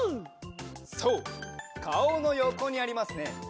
そうかおのよこにありますね。